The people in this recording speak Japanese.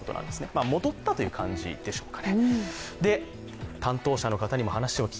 戻ったという形でしょうか。